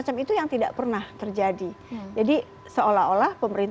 karena itu harus kita pelajari chang erect